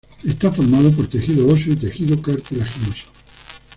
Está formado por tejido óseo y tejido cartilaginoso.